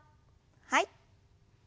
はい。